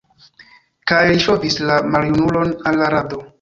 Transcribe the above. Kaj li ŝovis la maljunulon al la rado.